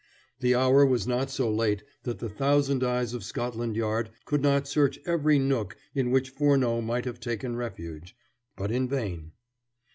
The hour was not so late that the thousand eyes of Scotland Yard could not search every nook in which Furneaux might have taken refuge, but in vain.